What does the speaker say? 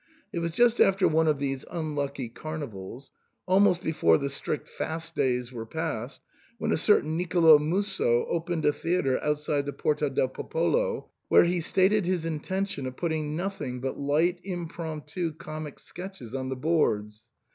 It was just after one of these unlucky Carnivals — almost before the strict fast days were past, when a certain Nicolo Musso opened a theatre outside the Porta del Popolo, where he stated his intention of putting nothing but light impromptu comic sketches on the boards.